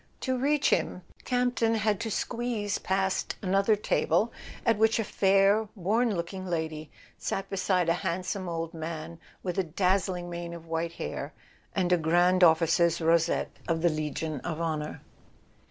To reach him Camp ton had to squeeze past another table, at which a fair worn looking lady sat beside a handsome old man with a dazzling mane of white hair and a Grand Of¬ ficer's rosette of the Legion of Honour.